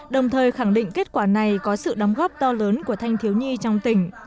đồng thời khẳng định kết quả này có sự đóng góp to lớn của thanh thiếu nhi trong tỉnh